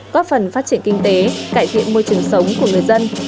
góp phần phát triển kinh tế cải thiện môi trường sống của người dân